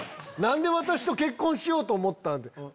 「何で私と結婚しようと思ったん？」。